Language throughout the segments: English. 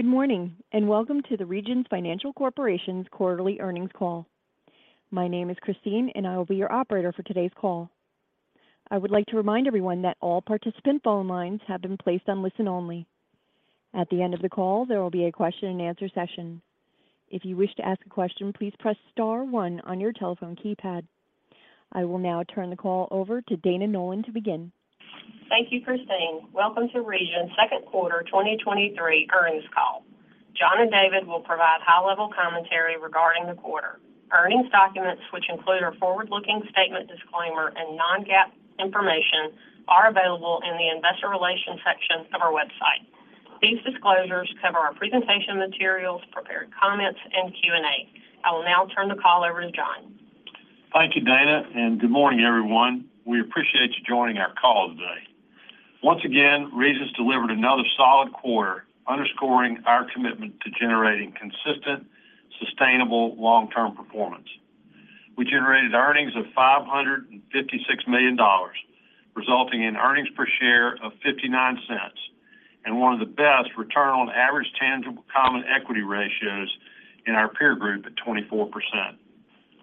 Good morning, welcome to the Regions Financial Corporation's quarterly earnings call. My name is Christine, and I will be your operator for today's call. I would like to remind everyone that all participant phone lines have been placed on listen only. At the end of the call, there will be a question and answer session. If you wish to ask a question, please press star one on your telephone keypad. I will now turn the call over to Dana Nolan to begin. Thank you, Christine. Welcome to Regions' second quarter 2023 earnings call. John and David will provide high-level commentary regarding the quarter. Earnings documents, which include our forward-looking statement disclaimer and non-GAAP information, are available in the investor relations section of our website. These disclosures cover our presentation materials, prepared comments, and Q&A. I will now turn the call over to John. Thank you, Dana, and good morning, everyone. We appreciate you joining our call today. Once again, Regions delivered another solid quarter, underscoring our commitment to generating consistent, sustainable, long-term performance. We generated earnings of $556 million, resulting in earnings per share of $0.59 and one of the best return on average tangible common equity ratios in our peer group at 24%.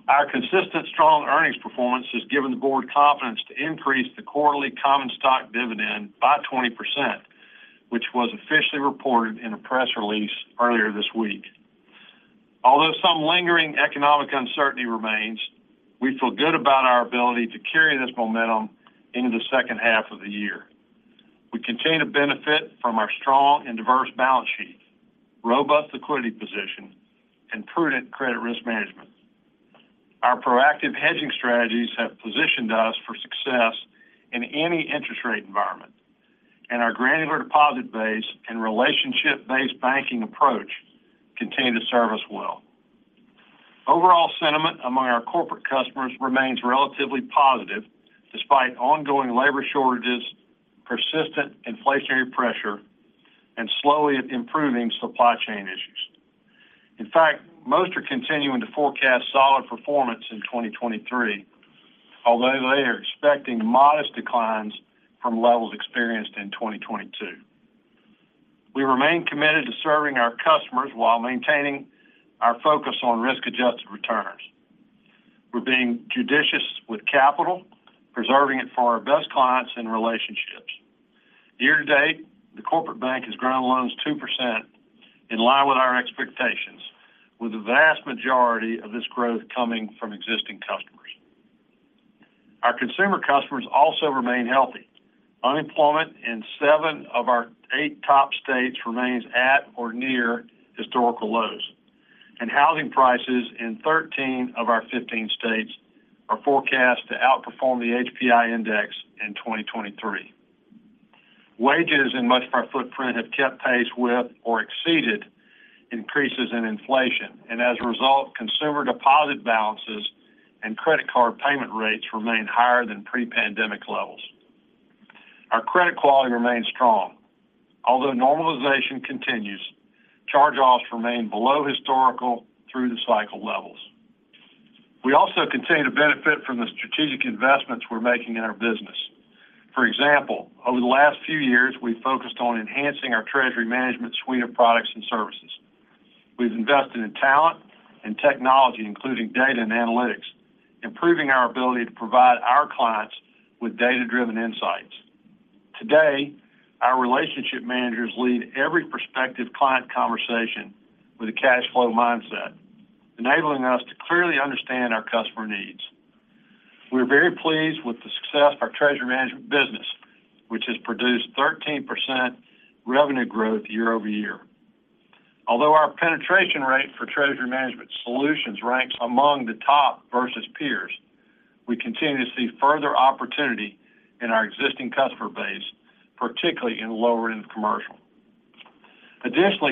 Our consistent strong earnings performance has given the board confidence to increase the quarterly common stock dividend by 20%, which was officially reported in a press release earlier this week. Although some lingering economic uncertainty remains, we feel good about our ability to carry this momentum into the second half of the year. We continue to benefit from our strong and diverse balance sheet, robust liquidity position, and prudent credit risk management. Our proactive hedging strategies have positioned us for success in any interest rate environment, and our granular deposit base and relationship-based banking approach continue to serve us well. Overall sentiment among our corporate customers remains relatively positive, despite ongoing labor shortages, persistent inflationary pressure, and slowly improving supply chain issues. In fact, most are continuing to forecast solid performance in 2023, although they are expecting modest declines from levels experienced in 2022. We remain committed to serving our customers while maintaining our focus on risk-adjusted returns. We're being judicious with capital, preserving it for our best clients and relationships. Year to date, the corporate bank has grown loans 2%, in line with our expectations, with the vast majority of this growth coming from existing customers. Our consumer customers also remain healthy. Unemployment in seven of our eight top states remains at or near historical lows. Housing prices in 13 of our 15 states are forecast to outperform the HPI Index in 2023. Wages in much of our footprint have kept pace with or exceeded increases in inflation. As a result, consumer deposit balances and credit card payment rates remain higher than pre-pandemic levels. Our credit quality remains strong. Although normalization continues, charge-offs remain below historical through-the-cycle levels. We also continue to benefit from the strategic investments we're making in our business. For example, over the last few years, we've focused on enhancing our treasury management suite of products and services. We've invested in talent and technology, including data and analytics, improving our ability to provide our clients with data-driven insights. Today, our relationship managers lead every prospective client conversation with a cash flow mindset, enabling us to clearly understand our customer needs. We're very pleased with the success of our treasury management business, which has produced 13% revenue growth year-over-year. Our penetration rate for treasury management solutions ranks among the top versus peers, we continue to see further opportunity in our existing customer base, particularly in lower-end commercial.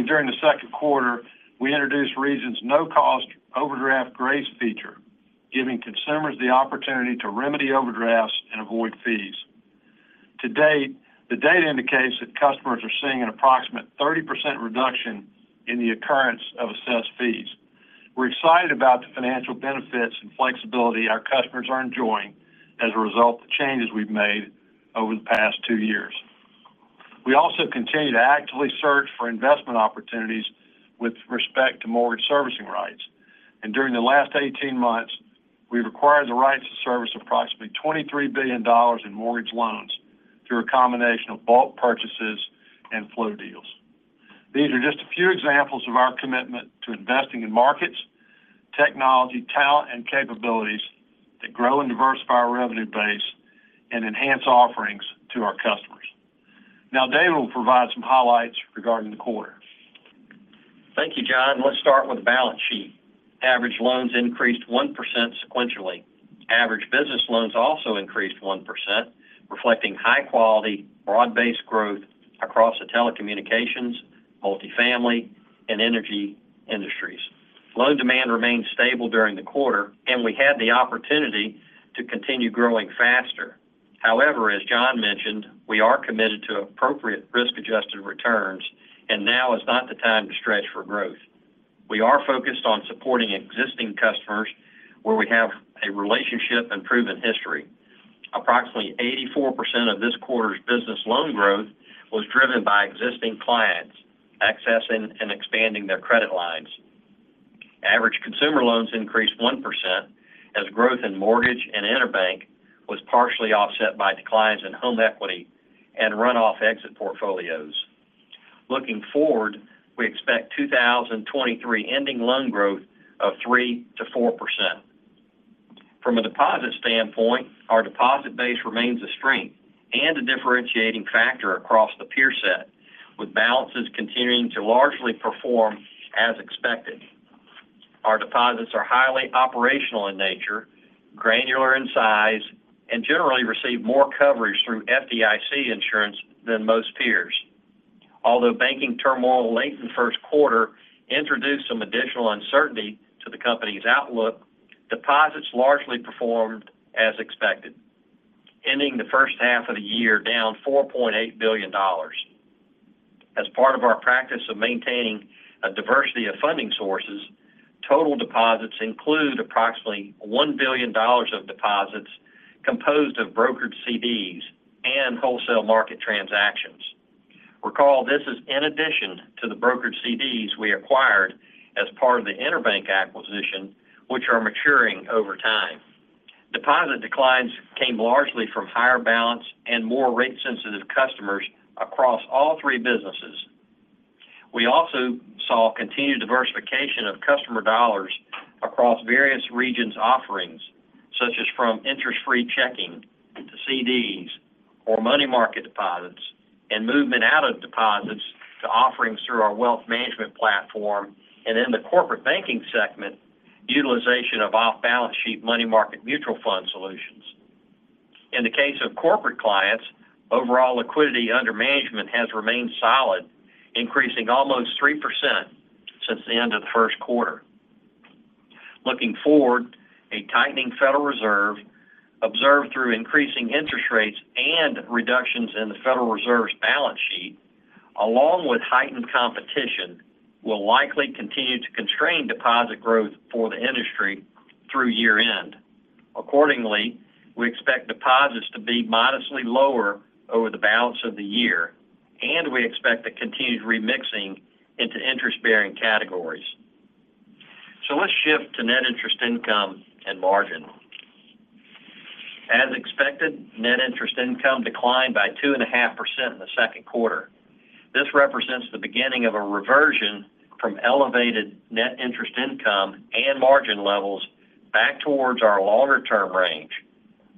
During the second quarter, we introduced Regions' no-cost Overdraft Grace feature, giving consumers the opportunity to remedy overdrafts and avoid fees. To date, the data indicates that customers are seeing an approximate 30% reduction in the occurrence of assessed fees. We're excited about the financial benefits and flexibility our customers are enjoying as a result of the changes we've made over the past two years. We also continue to actively search for investment opportunities with respect to mortgage servicing rights. During the last 18 months, we've acquired the rights to service approximately $23 billion in mortgage loans through a combination of bulk purchases and flow deals. These are just a few examples of our commitment to investing in markets, technology, talent, and capabilities that grow and diversify our revenue base and enhance offerings to our customers. Now David will provide some highlights regarding the quarter. Thank you, John. Let's start with the balance sheet. Average loans increased 1% sequentially. Average business loans also increased 1%, reflecting high quality, broad-based growth across the telecommunications, multifamily, and energy industries. Loan demand remained stable during the quarter. We had the opportunity to continue growing faster. However, as John mentioned, we are committed to appropriate risk-adjusted returns. Now is not the time to stretch for growth. We are focused on supporting existing customers where we have a relationship and proven history... Approximately 84% of this quarter's business loan growth was driven by existing clients accessing and expanding their credit lines. Average consumer loans increased 1% as growth in mortgage and Interbank was partially offset by declines in home equity and run-off exit portfolios. Looking forward, we expect 2023 ending loan growth of 3%-4%. From a deposit standpoint, our deposit base remains a strength and a differentiating factor across the peer set, with balances continuing to largely perform as expected. Our deposits are highly operational in nature, granular in size, and generally receive more coverage through FDIC insurance than most peers. Although banking turmoil late in the first quarter introduced some additional uncertainty to the company's outlook, deposits largely performed as expected, ending the first half of the year down $4.8 billion. As part of our practice of maintaining a diversity of funding sources, total deposits include approximately $1 billion of deposits composed of brokered CDs and wholesale market transactions. Recall, this is in addition to the brokered CDs we acquired as part of the EnerBank acquisition, which are maturing over time. Deposit declines came largely from higher balance and more rate-sensitive customers across all three businesses. We also saw continued diversification of customer dollars across various Regions' offerings, such as from interest-free checking to CDs or money market deposits, and movement out of deposits to offerings through our wealth management platform, and in the corporate banking segment, utilization of off-balance sheet money market mutual fund solutions. In the case of corporate clients, overall liquidity under management has remained solid, increasing almost 3% since the end of the first quarter. Looking forward, a tightening Federal Reserve observed through increasing interest rates and reductions in the Federal Reserve's balance sheet, along with heightened competition, will likely continue to constrain deposit growth for the industry through year-end. Accordingly, we expect deposits to be modestly lower over the balance of the year, and we expect a continued remixing into interest-bearing categories. Let's shift to net interest income and margin. As expected, net interest income declined by 2.5% in the second quarter. This represents the beginning of a reversion from elevated net interest income and margin levels back towards our longer-term range,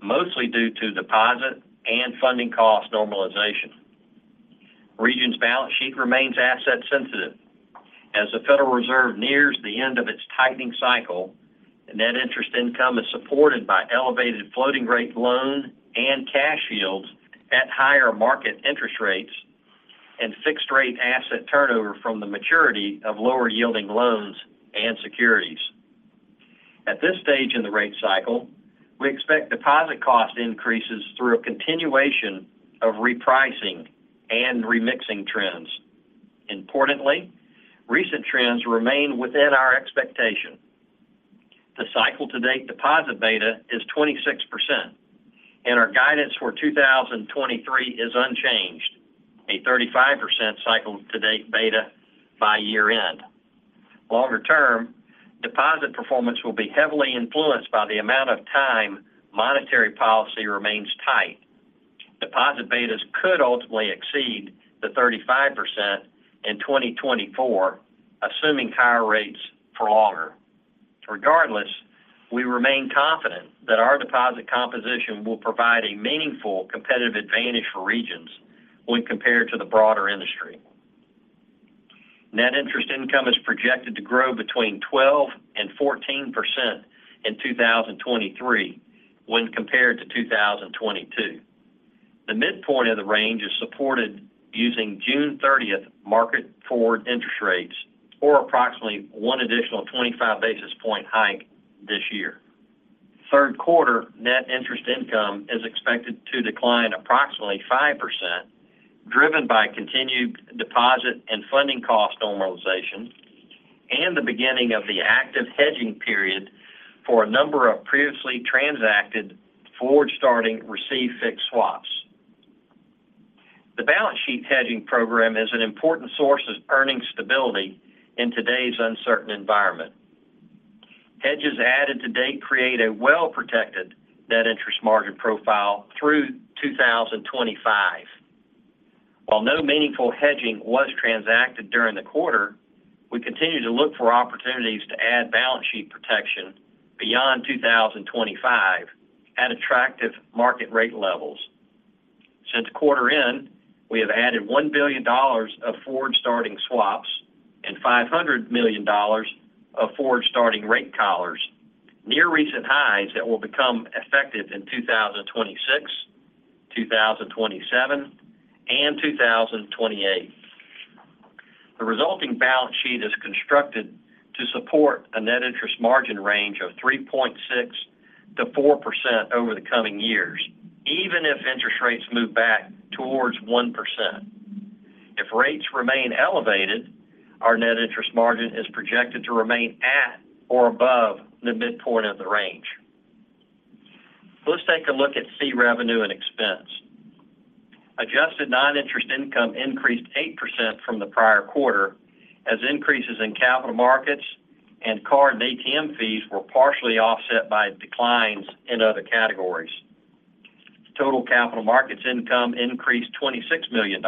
mostly due to deposit and funding cost normalization. Regions' balance sheet remains asset sensitive. As the Federal Reserve nears the end of its tightening cycle, net interest income is supported by elevated floating rate loan and cash yields at higher market interest rates and fixed rate asset turnover from the maturity of lower yielding loans and securities. At this stage in the rate cycle, we expect deposit cost increases through a continuation of repricing and remixing trends. Importantly, recent trends remain within our expectation. The cycle-to-date deposit beta is 26%, and our guidance for 2023 is unchanged, a 35% cycle-to-date beta by year-end. Longer term, deposit performance will be heavily influenced by the amount of time monetary policy remains tight. Deposit betas could ultimately exceed the 35% in 2024, assuming higher rates for longer. Regardless, we remain confident that our deposit composition will provide a meaningful competitive advantage for Regions when compared to the broader industry. Net interest income is projected to grow between 12% and 14% in 2023 when compared to 2022. The midpoint of the range is supported using June 30th market forward interest rates or approximately one additional 25 basis point hike this year. Third quarter Net interest income is expected to decline approximately 5%, driven by continued deposit and funding cost normalization and the beginning of the active hedging period for a number of previously transacted forward-starting received fixed swaps. The balance sheet hedging program is an important source of earnings stability in today's uncertain environment. Hedges added to date create a well-protected net interest margin profile through 2025. While no meaningful hedging was transacted during the quarter, we continue to look for opportunities to add balance sheet protection beyond 2025 at attractive market rate levels. Since quarter end, we have added $1 billion of forward-starting swaps and $500 million of forward-starting rate collars, near recent highs that will become effective in 2026, 2027, and 2028. The resulting balance sheet is constructed to support a net interest margin range of 3.6%-4% over the coming years, even if interest rates move back towards 1%. If rates remain elevated, our net interest margin is projected to remain at or above the midpoint of the range. Let's take a look at fee revenue and expense. Adjusted non-interest income increased 8% from the prior quarter, as increases in capital markets and card and ATM fees were partially offset by declines in other categories. Total capital markets income increased $26 million.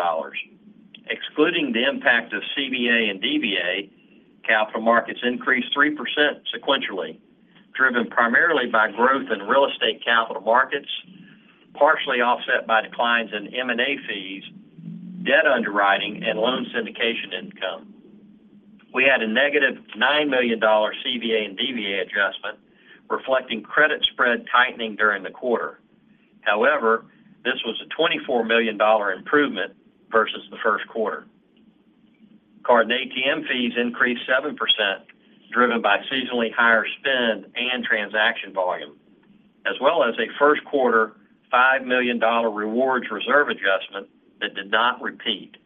Excluding the impact of CVA and DVA, capital markets increased 3% sequentially, driven primarily by growth in real estate capital markets, partially offset by declines in M&A fees, debt underwriting, and loan syndication income. We had a -$9 million CVA and DVA adjustment, reflecting credit spread tightening during the quarter. However, this was a $24 million improvement versus the first quarter. Card and ATM fees increased 7%, driven by seasonally higher spend and transaction volume, as well as a first quarter $5 million rewards reserve adjustment that did not repeat.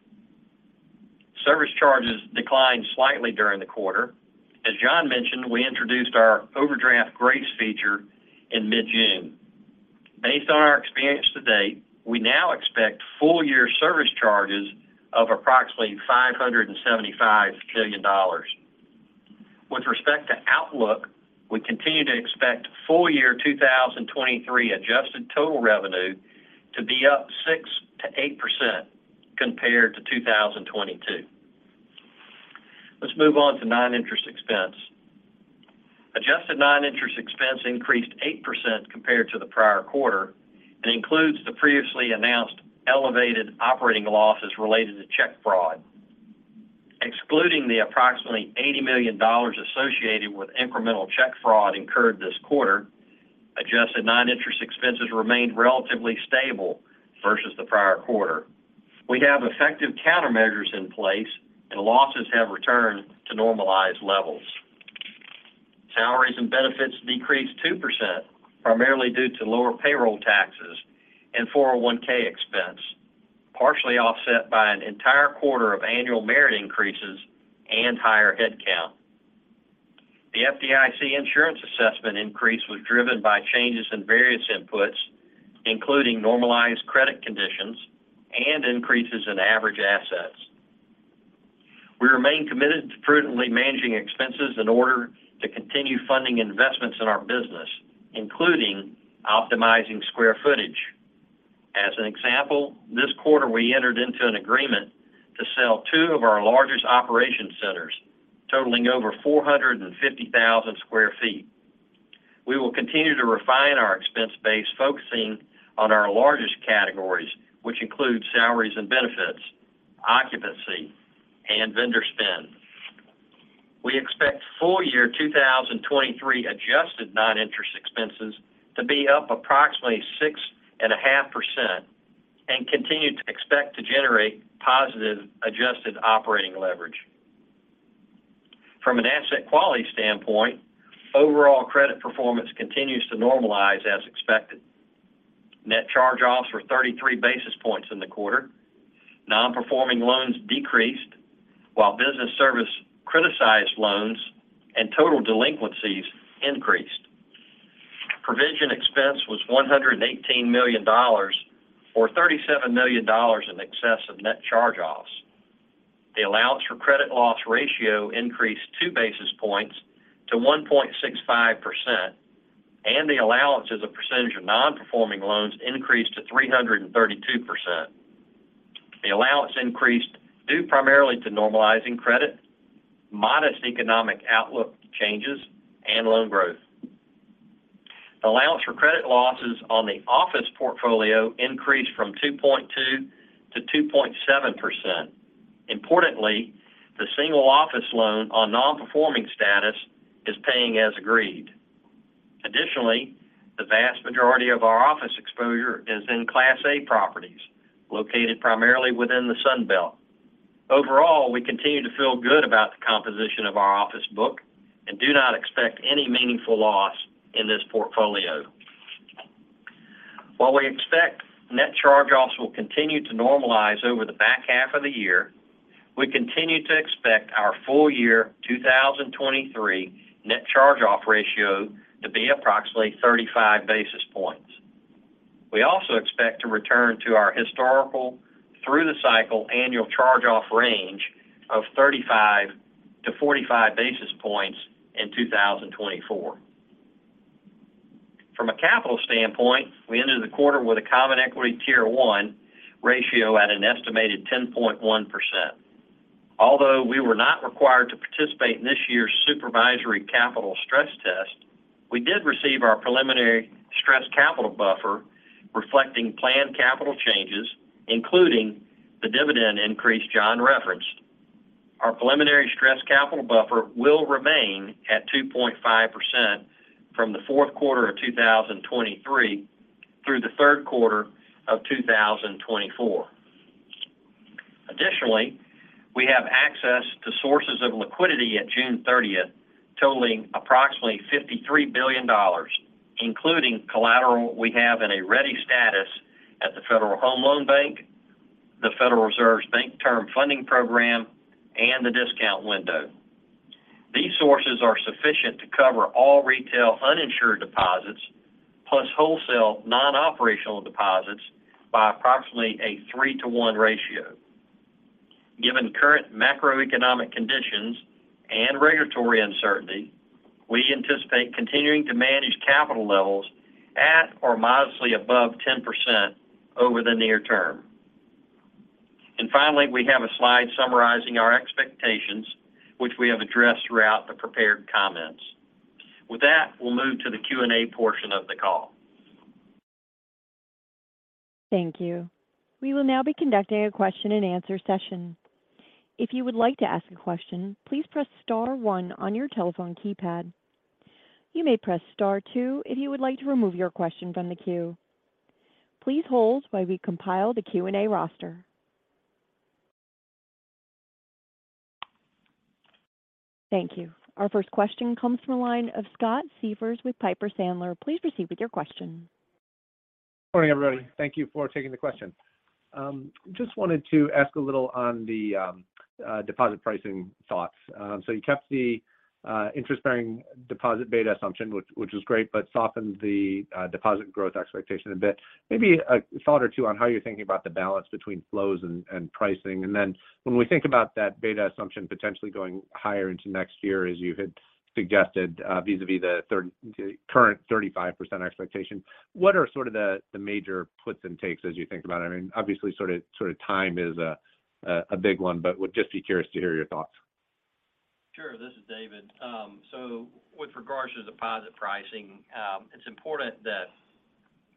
Service charges declined slightly during the quarter. As John mentioned, we introduced our Overdraft Grace feature in mid-June. Based on our experience to date, we now expect full year service charges of approximately $575 million. With respect to outlook, we continue to expect full year 2023 adjusted total revenue to be up 6%-8% compared to 2022. Let's move on to non-interest expense. Adjusted non-interest expense increased 8% compared to the prior quarter and includes the previously announced elevated operating losses related to check fraud. Excluding the approximately $80 million associated with incremental check fraud incurred this quarter, adjusted non-interest expenses remained relatively stable versus the prior quarter. We have effective countermeasures in place, and losses have returned to normalized levels. Salaries and benefits decreased 2%, primarily due to lower payroll taxes and 401(k) expense, partially offset by an entire quarter of annual merit increases and higher headcount. The FDIC insurance assessment increase was driven by changes in various inputs, including normalized credit conditions and increases in average assets. We remain committed to prudently managing expenses in order to continue funding investments in our business, including optimizing square footage. As an example, this quarter we entered into an agreement to sell two of our largest operation centers, totaling over 450,000 sq ft. We will continue to refine our expense base, focusing on our largest categories, which include salaries and benefits, occupancy, and vendor spend. We expect full year 2023 adjusted non-interest expenses to be up approximately 6.5% and continue to expect to generate positive adjusted operating leverage. From an asset quality standpoint, overall credit performance continues to normalize as expected. Net charge-offs were 33 basis points in the quarter. Non-performing loans decreased, while business service criticized loans and total delinquencies increased. Provision expense was $118 million, or $37 million in excess of net charge-offs. The allowance for credit loss ratio increased 2 basis points to 1.65%, and the allowance as a percentage of non-performing loans increased to 332%. The allowance increased due primarily to normalizing credit, modest economic outlook changes, and loan growth. Allowance for credit losses on the office portfolio increased from 2.2% to 2.7%. Importantly, the single office loan on non-performing status is paying as agreed. Additionally, the vast majority of our office exposure is in Class A properties located primarily within the Sun Belt. Overall, we continue to feel good about the composition of our office book and do not expect any meaningful loss in this portfolio. While we expect net charge-offs will continue to normalize over the back half of the year, we continue to expect our full year 2023 net charge-off ratio to be approximately 35 basis points. We also expect to return to our historical through the cycle annual charge-off range of 35-45 basis points in 2024. From a capital standpoint, we ended the quarter with a Common Equity Tier 1 ratio at an estimated 10.1%. Although we were not required to participate in this year's supervisory capital stress test, we did receive our preliminary stress capital buffer, reflecting planned capital changes, including the dividend increase John referenced. Our preliminary stress capital buffer will remain at 2.5% from the fourth quarter of 2023 through the third quarter of 2024. We have access to sources of liquidity at June 30th, totaling approximately $53 billion, including collateral we have in a ready status at the Federal Home Loan Bank, the Federal Reserve's Bank Term Funding Program, and the discount window. These sources are sufficient to cover all retail uninsured deposits, plus wholesale non-operational deposits by approximately a 3 to 1 ratio. Given current macroeconomic conditions and regulatory uncertainty, we anticipate continuing to manage capital levels at or modestly above 10% over the near term. Finally, we have a slide summarizing our expectations, which we have addressed throughout the prepared comments. With that, we'll move to the Q&A portion of the call. Thank you. We will now be conducting a question-and-answer session. If you would like to ask a question, please press star one on your telephone keypad. You may press star two if you would like to remove your question from the queue. Please hold while we compile the Q&A roster. Thank you. Our first question comes from the line of Scott Siefers with Piper Sandler. Please proceed with your question. Good morning, everybody. Thank you for taking the question. Just wanted to ask a little on the deposit pricing thoughts. You kept the interest-bearing deposit beta assumption, which is great, but softened the deposit growth expectation a bit. Maybe a thought or two on how you're thinking about the balance between flows and pricing. When we think about that beta assumption potentially going higher into next year, as you had suggested, vis-a-vis the current 35% expectation, what are sort of the major puts and takes as you think about it? I mean, obviously, sort of time is a big one, but would just be curious to hear your thoughts. Sure. This is David. With regards to deposit pricing, it's important that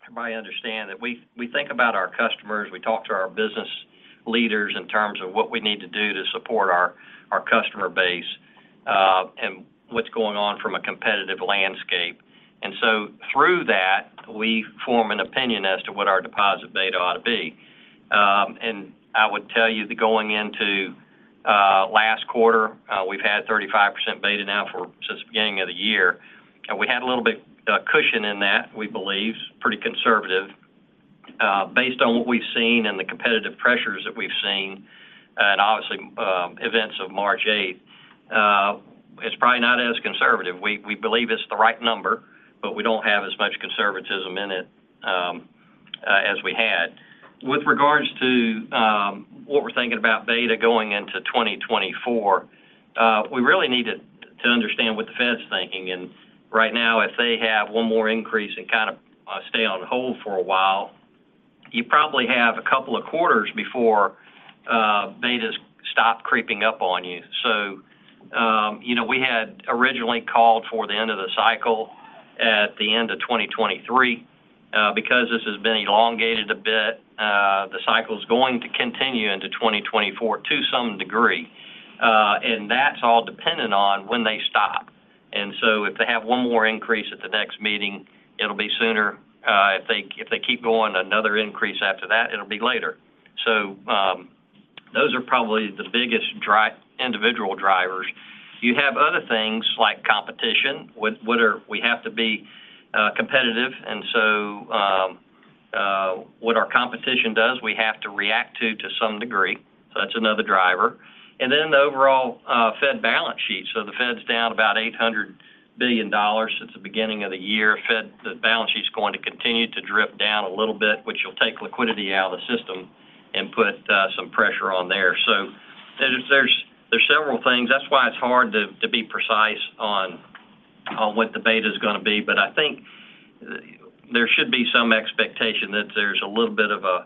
everybody understand that we think about our customers, we talk to our business leaders in terms of what we need to do to support our customer base, and what's going on from a competitive landscape. Through that, we form an opinion as to what our deposit beta ought to be. I would tell you that going into last quarter, we've had 35% beta now for since the beginning of the year, and we had a little bit cushion in that, we believe, pretty conservative. Based on what we've seen and the competitive pressures that we've seen, and obviously, events of March 8th, it's probably not as conservative. We believe it's the right number, but we don't have as much conservatism in it as we had. With regards to what we're thinking about beta going into 2024, we really need to understand what the Fed's thinking. Right now, if they have 1 more increase and kind of stay on hold for a while, you probably have a couple of quarters before betas stop creeping up on you. You know, we had originally called for the end of the cycle at the end of 2023. Because this has been elongated a bit, the cycle is going to continue into 2024 to some degree, and that's all dependent on when they stop. If they have 1 more increase at the next meeting, it'll be sooner. If they keep going another increase after that, it'll be later. Those are probably the biggest individual drivers. You have other things like competition, with we have to be competitive, and what our competition does, we have to react to some degree. That's another driver. The overall Fed balance sheet. The Fed's down about $800 billion since the beginning of the year. Fed, the balance sheet is going to continue to drip down a little bit, which will take liquidity out of the system and put some pressure on there. There's several things. That's why it's hard to be precise on what the beta is going to be, but I think there should be some expectation that there's a little bit of a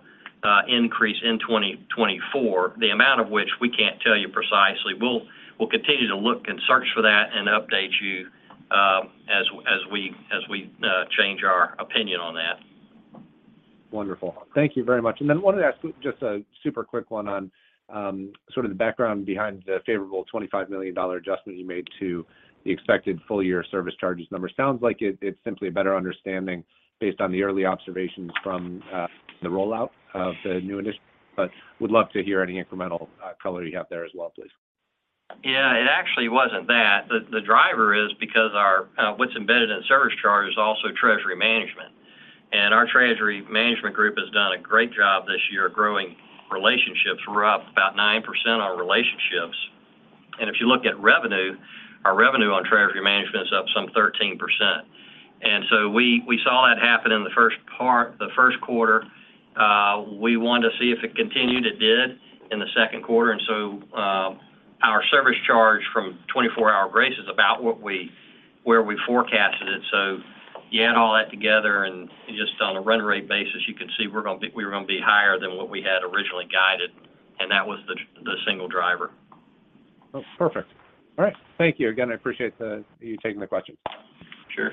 increase in 2024, the amount of which we can't tell you precisely. We'll continue to look and search for that and update you as we change our opinion on that. Wonderful. Thank you very much. Wanted to ask just a super quick one on, sort of the background behind the favorable $25 million adjustment you made to the expected full-year service charges number. Sounds like it's simply a better understanding based on the early observations from, the rollout of the new initiative, but would love to hear any incremental, color you have there as well, please. Yeah, it actually wasn't that. The driver is because our what's embedded in service charge is also treasury management. Our treasury management group has done a great job this year growing relationships. We're up about 9% on relationships. If you look at revenue, our revenue on treasury management is up some 13%. We saw that happen in the first quarter. We wanted to see if it continued. It did in the second quarter, our service charge from 24-hour grace is about what we forecasted it. You add all that together and just on a run rate basis, you can see we were going to be higher than what we had originally guided, and that was the single driver. Oh, perfect. All right. Thank you again. I appreciate you taking my questions. Sure.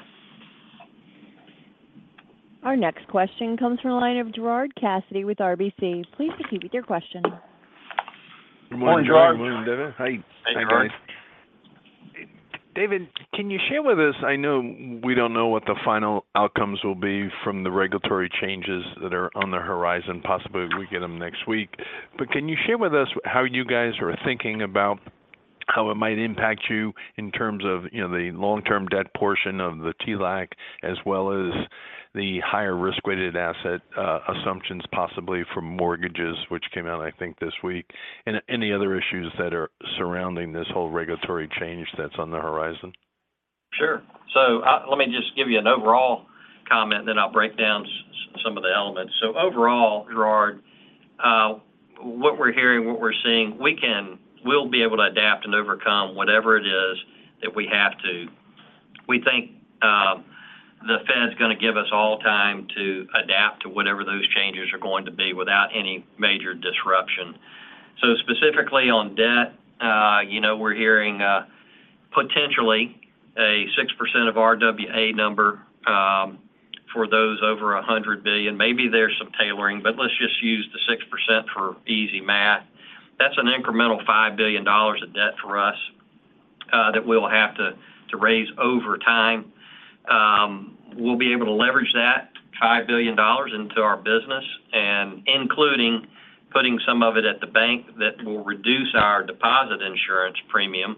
Our next question comes from the line of Gerard Cassidy with RBC. Please proceed with your question. Good morning, Gerard. David, can you share with us, I know we don't know what the final outcomes will be from the regulatory changes that are on the horizon. Possibly, we get them next week. Can you share with us how you guys are thinking about how it might impact you in terms of, you know, the long-term debt portion of the TLAC, as well as the higher risk-weighted asset assumptions, possibly from mortgages, which came out, I think, this week? Any other issues that are surrounding this whole regulatory change that's on the horizon? Sure. Let me just give you an overall comment, then I'll break down some of the elements. Overall, Gerard, what we're hearing, what we'll be able to adapt and overcome whatever it is that we have to. We think the Fed is going to give us all time to adapt to whatever those changes are going to be without any major disruption. Specifically on debt, you know, we're hearing potentially a 6% of RWA number for those over 100 billion. Maybe there's some tailoring, but let's just use the 6% for easy math. That's an incremental $5 billion of debt for us that we'll have to raise over time. We'll be able to leverage that $5 billion into our business, including putting some of it at the bank, that will reduce our deposit insurance premium,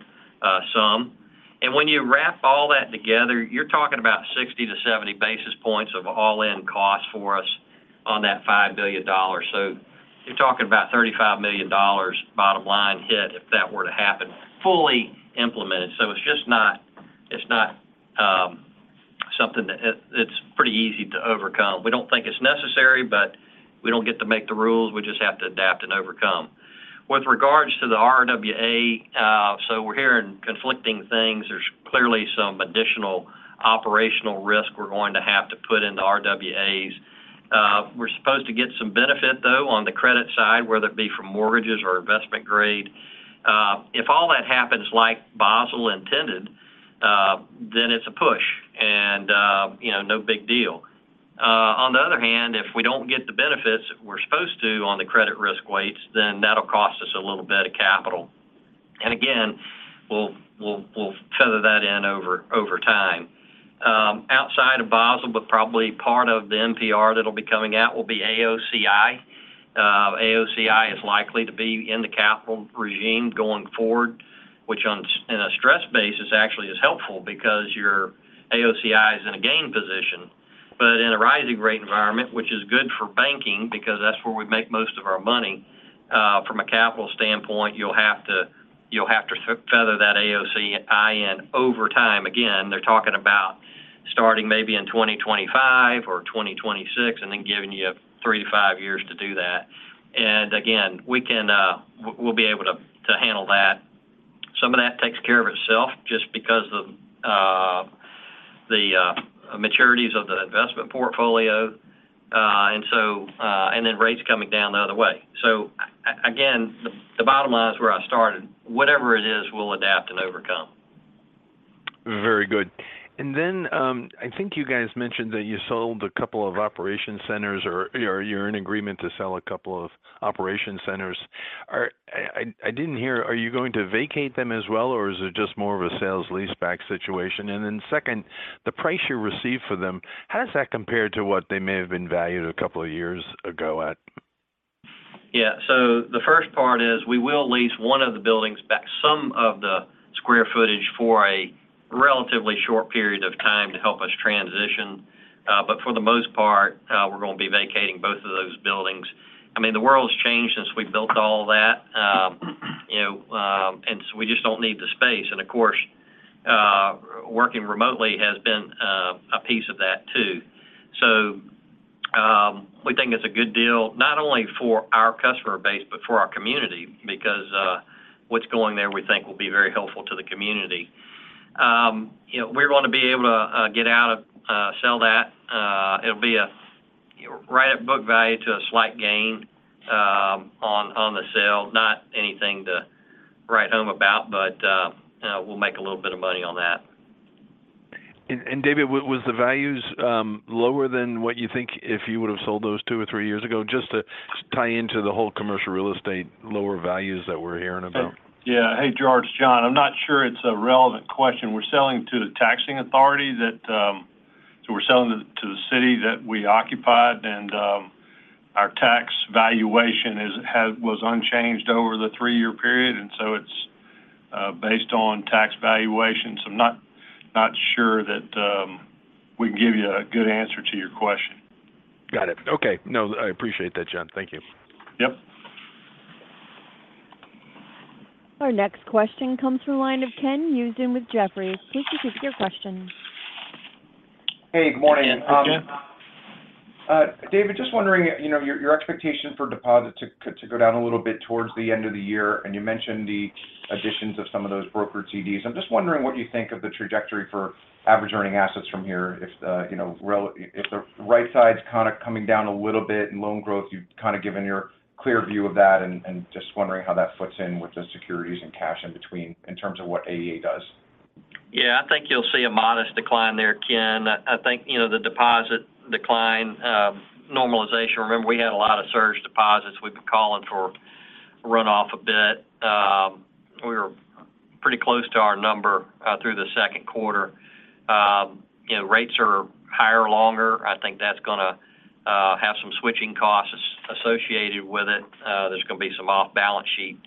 some. When you wrap all that together, you're talking about 60-70 basis points of all-in cost for us on that $5 billion. You're talking about $35 million bottom line hit, if that were to happen, fully implemented. It's just not, it's not something that it's pretty easy to overcome. We don't think it's necessary, but we don't get to make the rules. We just have to adapt and overcome. With regards to the RWA, we're hearing conflicting things. There's clearly some additional operational risk we're going to have to put into RWAs. We're supposed to get some benefit, though, on the credit side, whether it be from mortgages or investment grade. If all that happens like Basel intended, then it's a push and, you know, no big deal. On the other hand, if we don't get the benefits we're supposed to on the credit risk weights, then that'll cost us a little bit of capital. Again, we'll feather that in over time. Outside of Basel, but probably part of the NPR that'll be coming out will be AOCI. AOCI is likely to be in the capital regime going forward, which on, in a stress basis, actually is helpful because your AOCI is in a gain position. In a rising rate environment, which is good for banking because that's where we make most of our money, from a capital standpoint, you'll have to feather that AOCI in over time. They're talking about starting maybe in 2025 or 2026, and then giving you three to five years to do that. Again, we can, we'll be able to handle that. Some of that takes care of itself just because of the maturities of the investment portfolio, and so, and then rates coming down the other way. Again, the bottom line is where I started: whatever it is, we'll adapt and overcome. Very good. I think you guys mentioned that you sold a couple of operation centers or you're in agreement to sell a couple of operation centers. I didn't hear, are you going to vacate them as well, or is it just more of a sales leaseback situation? Second, the price you received for them, how does that compare to what they may have been valued a couple of years ago at? Yeah. The first part is we will lease one of the buildings back, some of the square footage for a relatively short period of time to help us transition. For the most part, we're going to be vacating both of those buildings. I mean, the world's changed since we built all that, you know, we just don't need the space. Of course, working remotely has been a piece of that, too. We think it's a good deal not only for our customer base but for our community, because what's going there, we think, will be very helpful to the community. You know, we're going to be able to get out of, sell that. It'll be a, right at book value to a slight gain on the sale. Not anything to write home about, but, we'll make a little bit of money on that. David, was the values lower than what you think if you would have sold those two or three years ago, just to tie into the whole commercial real estate lower values that we're hearing about? Yeah. Hey, Gerard, it's John. I'm not sure it's a relevant question. We're selling to the taxing authority that we're selling to the city that we occupied. Our tax valuation was unchanged over the three-year period. It's based on tax valuation. I'm not sure that we can give you a good answer to your question. Got it. Okay. No, I appreciate that, John. Thank you. Yep. Our next question comes from the line of Ken Usdin with Jefferies. Please proceed with your question. Hey, good morning. Hey, Ken. David, just wondering, you know, your expectation for deposit to go down a little bit towards the end of the year, and you mentioned the additions of some of those brokered CDs. I'm just wondering what you think of the trajectory for average earning assets from here. If the, you know, if the right side's kind of coming down a little bit in loan growth, you've kind of given your clear view of that, and just wondering how that fits in with the securities and cash in between in terms of what AAA does. Yeah, I think you'll see a modest decline there, Ken. I think, you know, the deposit decline, normalization, remember, we had a lot of surge deposits. I'm calling for runoff a bit. We were pretty close to our number through the second quarter. You know, rates are higher longer. I think that's gonna have some switching costs associated with it. There's gonna be some off-balance sheet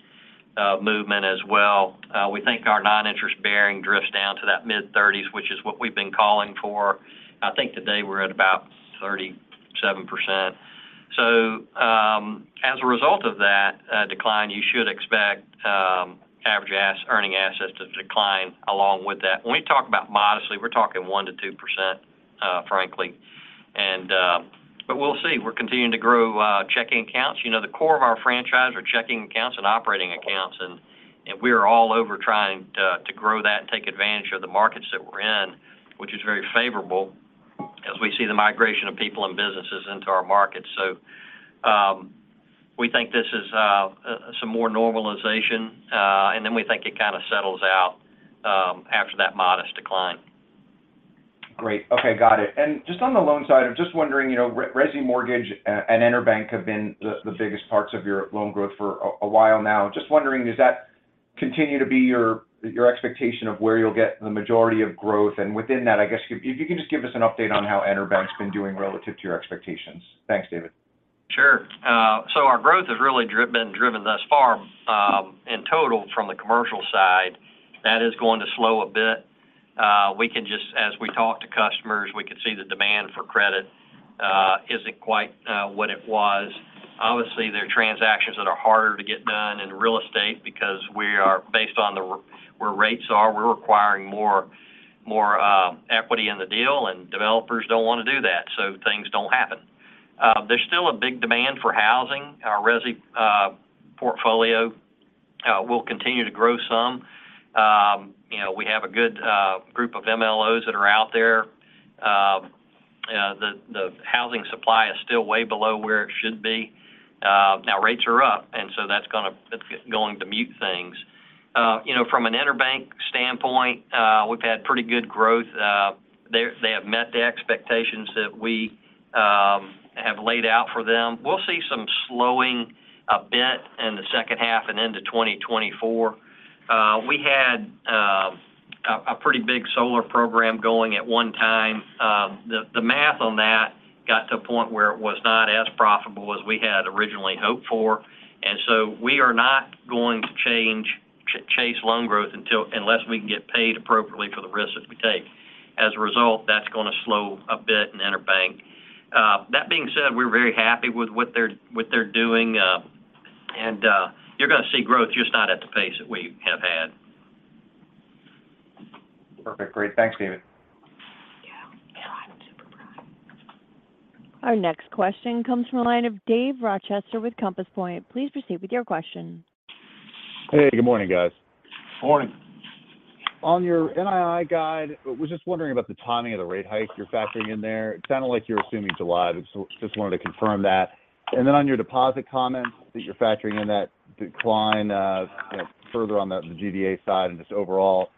movement as well. We think our non-interest-bearing drifts down to that mid-thirties, which is what we've been calling for. I think today we're at about 37%. As a result of that decline, you should expect average earning assets to decline along with that. When we talk about modestly, we're talking 1%-2%, frankly. We'll see. We're continuing to grow checking accounts. You know, the core of our franchise are checking accounts and operating accounts, and we are all over trying to grow that and take advantage of the markets that we're in, which is very favorable as we see the migration of people and businesses into our markets. We think this is some more normalization, and then we think it kind of settles out after that modest decline. Great. Okay, got it. Just on the loan side, I'm just wondering, you know, resi mortgage and EnerBank have been the biggest parts of your loan growth for a while now. Just wondering, does that continue to be your expectation of where you'll get the majority of growth? Within that, I guess, if you can just give us an update on how EnerBank's been doing relative to your expectations. Thanks, David. Sure. Our growth has really been driven thus far, in total from the commercial side. That is going to slow a bit. We can as we talk to customers, we can see the demand for credit isn't quite what it was. Obviously, there are transactions that are harder to get done in real estate because we are based on the, where rates are, we're requiring more equity in the deal, developers don't want to do that, things don't happen. There's still a big demand for housing. Our resi portfolio will continue to grow some. You know, we have a good group of MLOs that are out there. The housing supply is still way below where it should be. Now rates are up, it's going to mute things. You know, from an EnerBank standpoint, we've had pretty good growth. They have met the expectations that we have laid out for them. We'll see some slowing a bit in the second half and into 2024. We had a pretty big solar program going at one time. The math on that got to a point where it was not as profitable as we had originally hoped for, we are not going to chase loan growth unless we can get paid appropriately for the risks that we take. As a result, that's gonna slow a bit in EnerBank. That being said, we're very happy with what they're doing, and you're gonna see growth, just not at the pace that we have had. Perfect. Great. Thanks, David. Our next question comes from the line of Dave Rochester with Compass Point. Please proceed with your question. Hey, good morning, guys. Morning. On your NII guide, I was just wondering about the timing of the rate hike you're factoring in there. It sounded like you're assuming July. Just wanted to confirm that. On your deposit comments, that you're factoring in that decline, you know, further on the DDA side and just overall.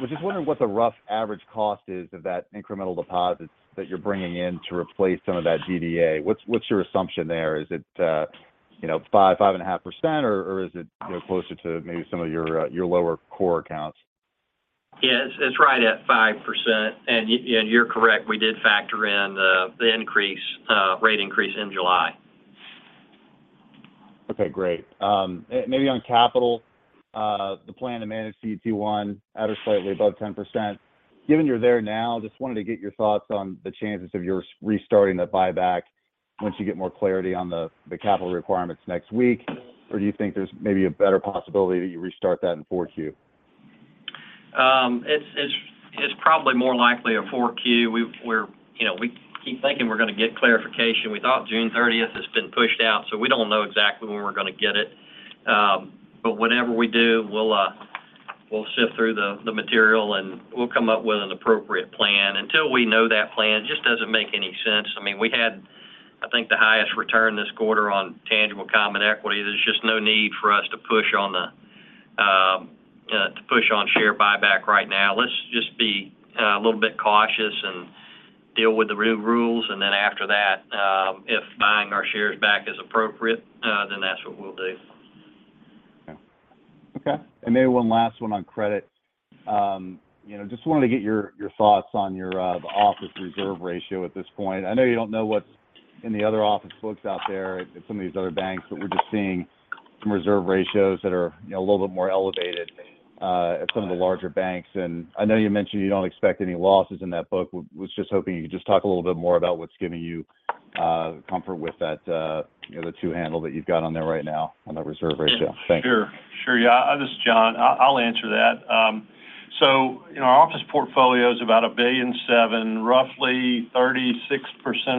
Was just wondering what the rough average cost is of that incremental deposits that you're bringing in to replace some of that DDA. What's your assumption there? Is it, you know, 5.5%, or is it, you know, closer to maybe some of your lower core accounts? Yeah, it's right at 5%. You're correct, we did factor in the increase, rate increase in July. Okay, great. Maybe on capital, the plan to manage CET1 at or slightly above 10%. Given you're there now, just wanted to get your thoughts on the chances of you restarting the buyback once you get more clarity on the capital requirements next week, or do you think there's maybe a better possibility that you restart that in 4Q? It's probably more likely a 4Q. We're, you know, we keep thinking we're gonna get clarification. We thought June 30th has been pushed out. We don't know exactly when we're gonna get it. Whenever we do, we'll sift through the material, and we'll come up with an appropriate plan. Until we know that plan, it just doesn't make any sense. I mean, we had, I think, the highest return this quarter on tangible common equity. There's just no need for us to push on share buyback right now. Let's just be a little bit cautious and deal with the rules. After that, if buying our shares back is appropriate, then that's what we'll do. Okay, maybe one last one on credit. you know, just wanted to get your thoughts on your, the office reserve ratio at this point. I know you don't know what's in the other office books out there at some of these other banks, but we're just seeing some reserve ratios that are, you know, a little bit more elevated, at some of the larger banks. I know you mentioned you don't expect any losses in that book. just hoping you could just talk a little bit more about what's giving you, comfort with that, you know, the two handle that you've got on there right now on the reserve ratio. Thank you. Sure. Sure, yeah. This is John. I'll answer that. Our office portfolio is about $1.7 billion. Roughly 36%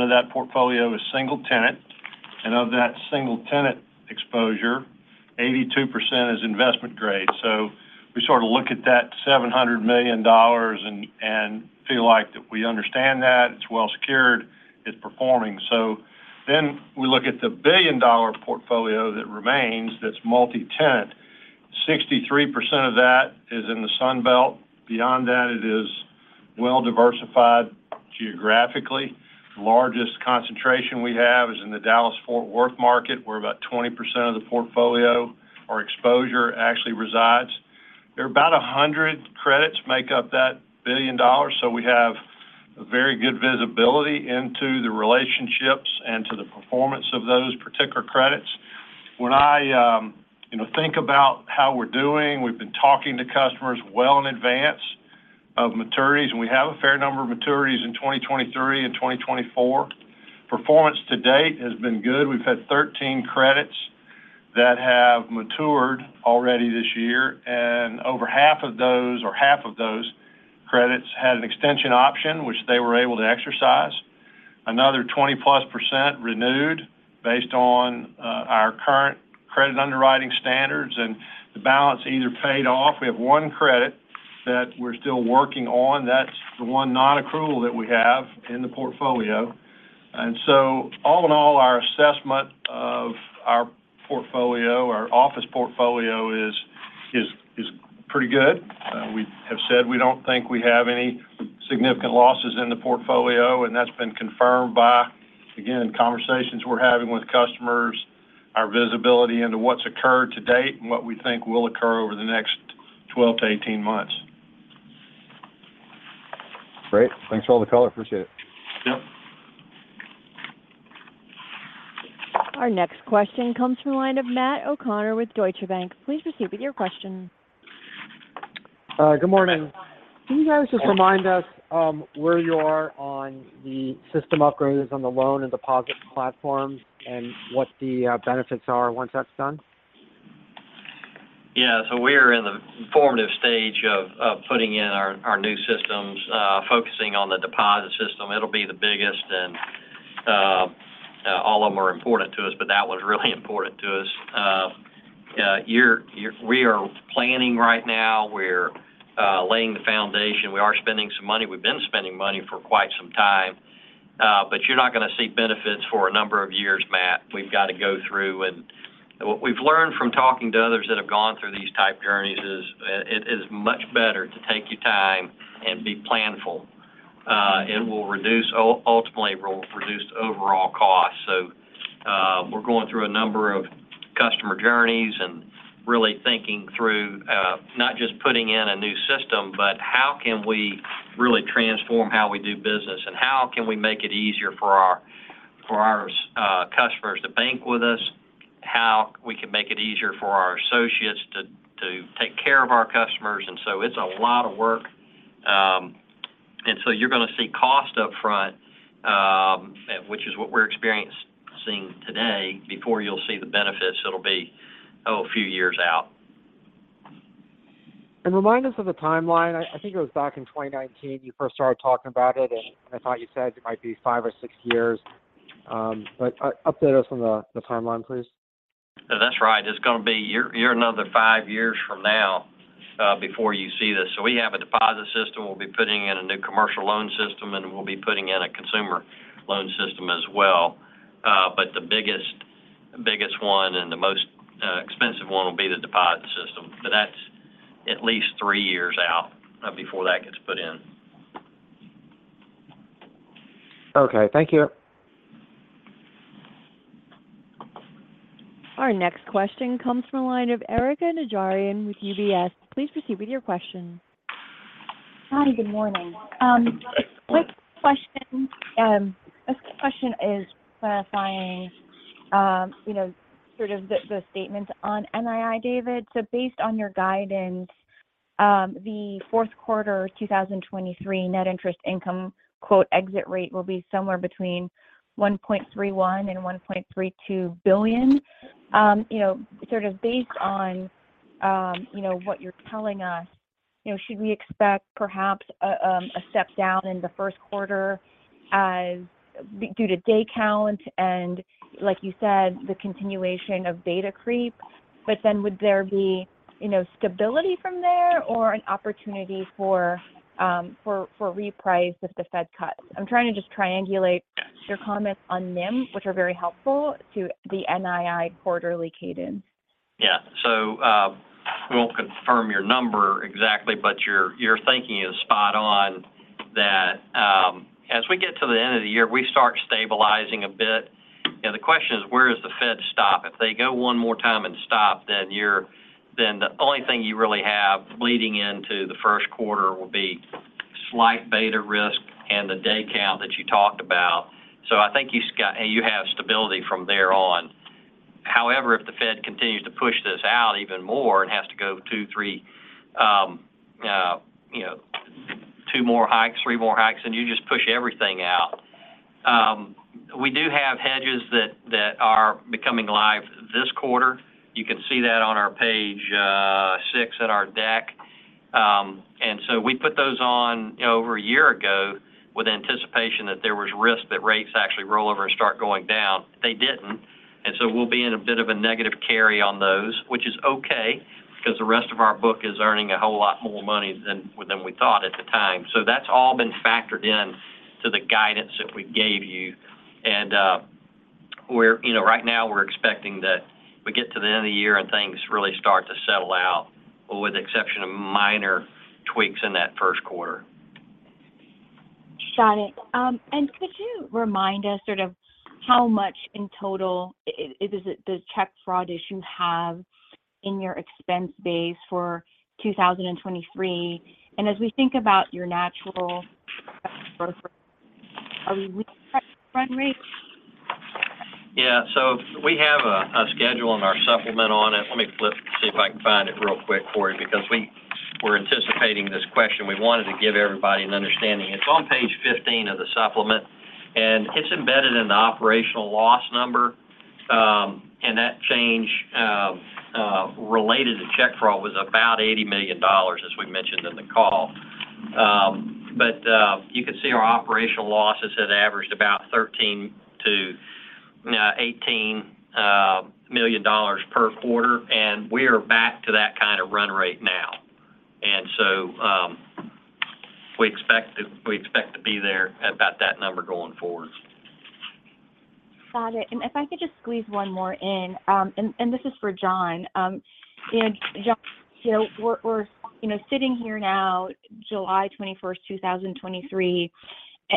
of that portfolio is single tenant, of that single tenant exposure, 82% is investment grade. We sort of look at that $700 million and feel like that we understand that, it's well secured, it's performing. We look at the $1 billion portfolio that remains, that's multi-tenant.. 63% of that is in the Sun Belt. Beyond that, it is well diversified geographically. Largest concentration we have is in the Dallas-Fort Worth market, where about 20% of the portfolio, our exposure actually resides. There are about 100 credits make up that $1 billion, we have very good visibility into the relationships and to the performance of those particular credits. When I, you know, think about how we're doing, we've been talking to customers well in advance of maturities, and we have a fair number of maturities in 2023 and 2024. Performance to date has been good. We've had 13 credits that have matured already this year, over half of those, or half of those credits had an extension option, which they were able to exercise. Another 20+ % renewed based on our current credit underwriting standards and the balance either paid off. We have 1 credit that we're still working on. That's the 1 non-accrual that we have in the portfolio. All in all, our assessment of our portfolio, our office portfolio is pretty good. We have said we don't think we have any significant losses in the portfolio, and that's been confirmed by, again, conversations we're having with customers, our visibility into what's occurred to date and what we think will occur over the next 12 to 18 months. Great. Thanks for all the color. Appreciate it. Yep. Our next question comes from the line of Matt O'Connor with Deutsche Bank. Please proceed with your question. Good morning. Can you guys just remind us where you are on the system upgrades on the loan and deposit platforms and what the benefits are once that's done? We're in the formative stage of putting in our new systems, focusing on the deposit system. It'll be the biggest and all of them are important to us, but that one's really important to us. We are planning right now, we're laying the foundation. We are spending some money. We've been spending money for quite some time, but you're not going to see benefits for a number of years, Matt. We've got to go through what we've learned from talking to others that have gone through these type journeys is, it is much better to take your time and be planful. It will reduce, ultimately, it will reduce overall costs. We're going through a number of customer journeys and really thinking through, not just putting in a new system, but how can we really transform how we do business, and how can we make it easier for our customers to bank with us? How we can make it easier for our associates to take care of our customers. It's a lot of work, and so you're going to see cost up front, which is what we're experiencing today, before you'll see the benefits. It'll be a few years out. Remind us of the timeline. I think it was back in 2019, you first started talking about it, and I thought you said it might be five or six years, but update us on the timeline, please. That's right. It's going to be year another five years from now before you see this. We have a deposit system. We'll be putting in a new commercial loan system, and we'll be putting in a consumer loan system as well. But the biggest one and the most expensive one will be the deposit system. That's at least three years out before that gets put in. Okay, thank you. Our next question comes from the line of Erika Najarian with UBS. Please proceed with your question. Hi, good morning. Quick question. This question is clarifying, you know, sort of the statement on NII, David. Based on your guidance, the fourth quarter 2023 net interest income, quote, exit rate will be somewhere between $1.31 billion and $1.32 billion. You know, sort of based on, you know, what you're telling us, you know, should we expect perhaps a step down in the first quarter due to day count and, like you said, the continuation of beta creep, would there be, you know, stability from there or an opportunity for reprice if the Fed cuts? I'm trying to just triangulate your comments on NIM, which are very helpful to the NII quarterly cadence. We won't confirm your number exactly, but your thinking is spot on that as we get to the end of the year, we start stabilizing a bit. You know, the question is, where does the Fed stop? If they go 1 more time and stop, then the only thing you really have leading into the first quarter will be slight beta risk and the day count that you talked about. I think you have stability from there on. If the Fed continues to push this out even more and has to go two, three, you know, two more hikes, three more hikes, and you just push everything out. We do have hedges that are becoming live this quarter. You can see that on our page six at our deck. We put those on, you know, over a year ago with anticipation that there was risk that rates actually roll over and start going down. They didn't, we'll be in a bit of a negative carry on those, which is okay because the rest of our book is earning a whole lot more money than we thought at the time. That's all been factored in to the guidance that we gave you. We're, you know, right now we're expecting that we get to the end of the year and things really start to settle out, with the exception of minor tweaks in that first quarter. Got it. Could you remind us sort of how much in total is it the check fraud issue have in your expense base for 2023? As we think about your natural growth rate, are we run rate? Yeah. We have a schedule in our supplement on it. Let me flip, see if I can find it real quick for you, because we were anticipating this question. We wanted to give everybody an understanding. It's on page 15 of the supplement, and it's embedded in the operational loss number, and that change related to check fraud was about $80 million, as we mentioned in the call. You can see our operational losses have averaged about $13 million-$18 million per quarter, and we are back to that kind of run rate now. We expect to be there at about that number going forward. Got it. If I could just squeeze one more in, and this is for John. John, you know, we're, you know, sitting here now, July 21st, 2023,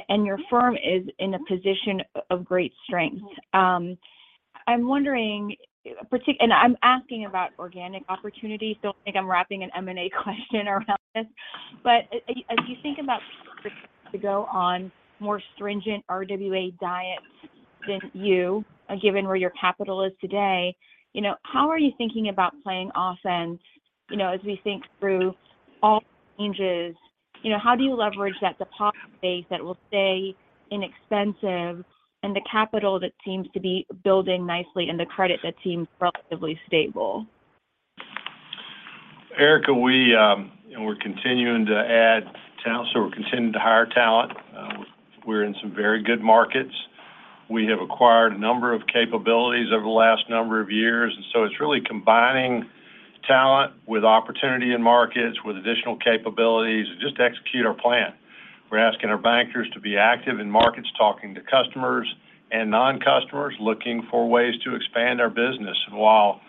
and your firm is in a position of great strength. I'm wondering and I'm asking about organic opportunities, don't think I'm wrapping an M&A question around this, but as you think about to go on more stringent RWA diets than you, given where your capital is today, you know, how are you thinking about playing offense? You know, as we think through all changes, you know, how do you leverage that deposit base that will stay inexpensive, and the capital that seems to be building nicely, and the credit that seems relatively stable? Erika, we're continuing to add talent, so we're continuing to hire talent. We're in some very good markets. We have acquired a number of capabilities over the last number of years, it's really combining talent with opportunity in markets, with additional capabilities, just to execute our plan. We're asking our bankers to be active in markets, talking to customers and non-customers, looking for ways to expand our business. While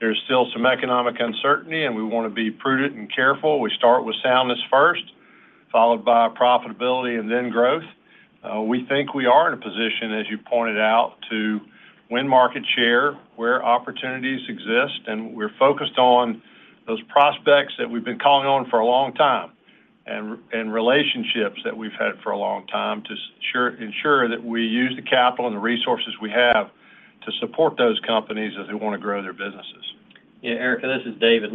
there's still some economic uncertainty, and we want to be prudent and careful, we start with soundness first, followed by profitability and then growth. We think we are in a position, as you pointed out, to win market share where opportunities exist, and we're focused on those prospects that we've been calling on for a long time and relationships that we've had for a long time to ensure that we use the capital and the resources we have to support those companies as they want to grow their businesses. Yeah, Erika, this is David.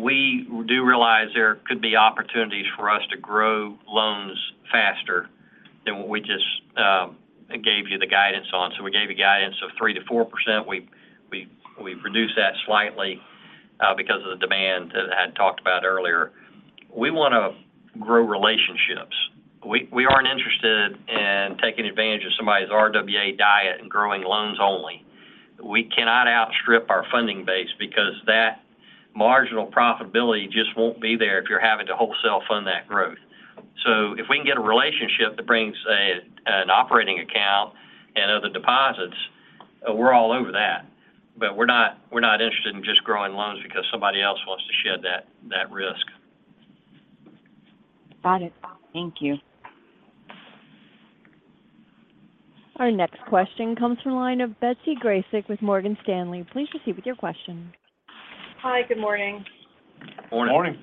We do realize there could be opportunities for us to grow loans faster than what we just gave you the guidance on. We gave you guidance of 3%-4%. We've reduced that slightly because of the demand that I had talked about earlier. We want to grow relationships. We aren't interested in taking advantage of somebody's RWA diet and growing loans only. We cannot outstrip our funding base because that marginal profitability just won't be there if you're having to wholesale fund that growth. If we can get an operating account and other deposits, we're all over that. We're not interested in just growing loans because somebody else wants to shed that risk. Got it. Thank you. Our next question comes from the line of Betsy Graseck with Morgan Stanley. Please proceed with your question. Hi, good morning. Morning. Morning.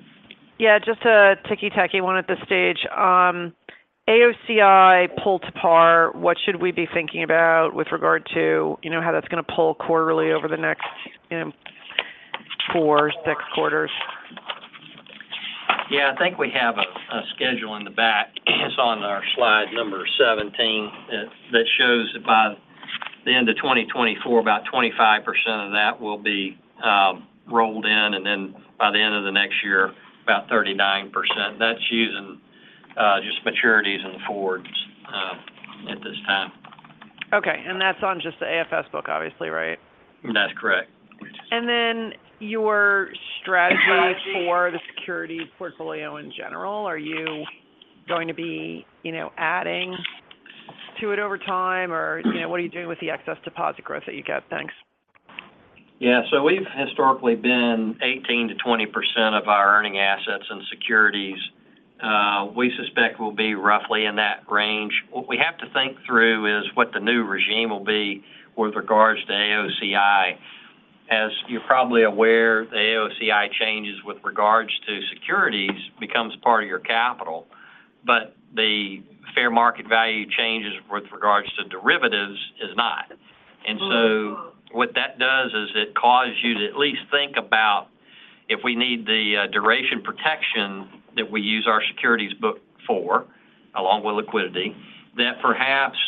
Yeah, just a ticky-tacky one at this stage. AOCI pull to par, what should we be thinking about with regard to, you know, how that's going to pull quarterly over the next four, six quarters? Yeah, I think we have a schedule in the back. It's on our slide number 17, that shows by the end of 2024, about 25% of that will be rolled in, and then by the end of the next year, about 39%. That's using just maturities and forwards at this time. Okay. That's on just the AFS book, obviously, right? That's correct. Your strategy for the security portfolio in general, are you going to be, you know, adding to it over time, or, you know, what are you doing with the excess deposit growth that you get? Thanks. Yeah, we've historically been 18%-20% of our earning assets and securities. We suspect we'll be roughly in that range. What we have to think through is what the new regime will be with regards to AOCI. As you're probably aware, the AOCI changes with regards to securities becomes part of your capital, but the fair market value changes with regards to derivatives is not. What that does is it causes you to at least think about if we need the duration protection that we use our securities book for, along with liquidity, that perhaps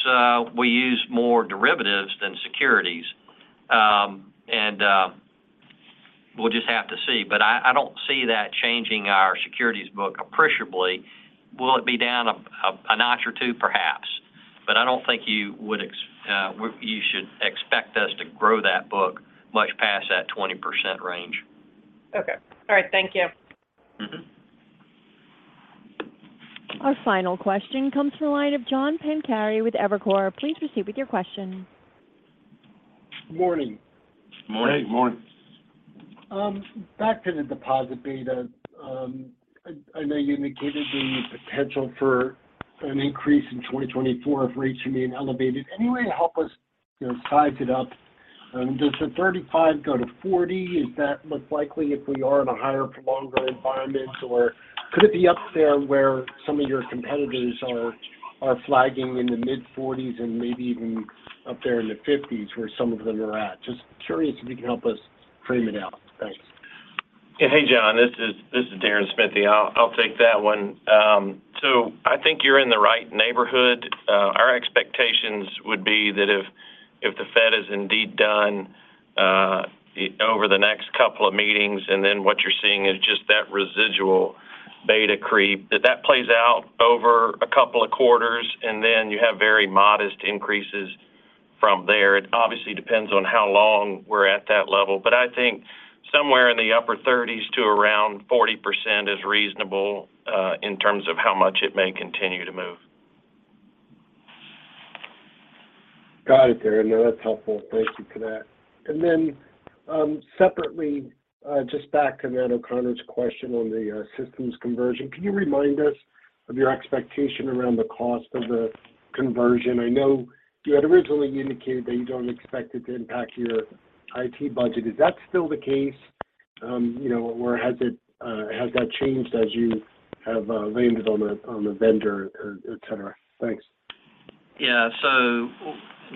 we use more derivatives than securities. We'll just have to see. I don't see that changing our securities book appreciably. Will it be down a notch or two? Perhaps. I don't think you should expect us to grow that book much past that 20% range. Okay. All right. Thank you. Our final question comes from the line of John Pancari with Evercore. Please proceed with your question. Morning. Back to the deposit beta. I know you indicated the potential for an increase in 2024 if rates remain elevated. Any way to help us, you know, size it up? Does the 35 go to 40? Is that most likely if we are in a higher, prolonged environment, or could it be up there where some of your competitors are flagging in the mid-40s and maybe even up there in the 50s, where some of them are at? Just curious if you can help us frame it out. Thanks. Hey, John, this is Deron Smithy. I'll take that one. I think you're in the right neighborhood. Our expectations would be that if the Fed is indeed done over the next couple of meetings, and then what you're seeing is just that residual beta creep, that plays out over a couple of quarters, and then you have very modest increases from there. It obviously depends on how long we're at that level, but I think somewhere in the upper 30s to around 40% is reasonable in terms of how much it may continue to move. Got it, Deron. No, that's helpful. Thank you for that. Separately, just back to Matt O'Connor's question on the systems conversion. Can you remind us of your expectation around the cost of the conversion? I know you had originally indicated that you don't expect it to impact your IT budget. Is that still the case, you know, or has that changed as you have landed on the vendor or etc.? Thanks. Yeah.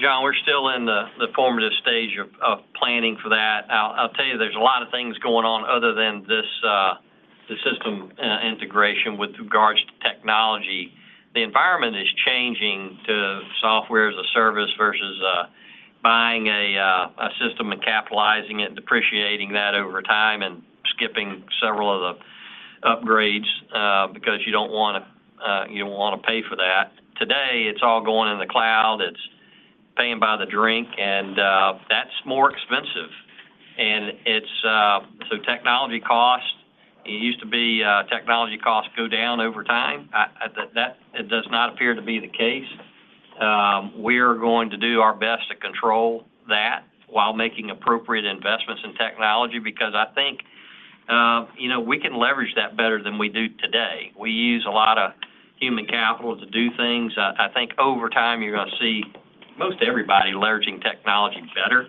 John, we're still in the formative stage of planning for that. I'll tell you, there's a lot of things going on other than this system integration with regards to technology. The environment is changing to software as a service versus buying a system and capitalizing it and depreciating that over time and skipping several of the upgrades because you don't want to pay for that. Today, it's all going in the cloud. It's paying by the drink, and that's more expensive. It's technology costs, it used to be technology costs go down over time. It does not appear to be the case. We are going to do our best to control that while making appropriate investments in technology because I think, you know, we can leverage that better than we do today. We use a lot of human capital to do things. I think over time, you're going to see most everybody leveraging technology better.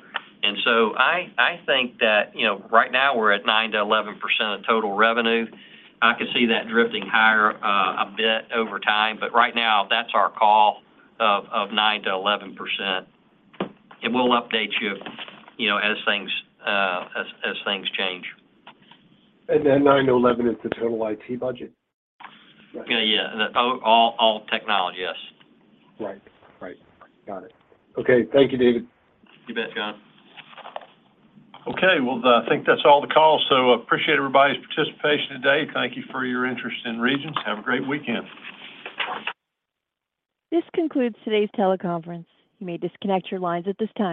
I think that, you know, right now we're at 9% to 11% of total revenue. I could see that drifting higher a bit over time, but right now, that's our call of 9%-11%. We'll update you know, as things change. $9-$11 is the total IT budget? Yeah. All technology, yes. Right. Got it. Okay. Thank you, David. You bet, John. Okay, well, I think that's all the calls. Appreciate everybody's participation today. Thank you for your interest in Regions. Have a great weekend. This concludes today's teleconference. You may disconnect your lines at this time.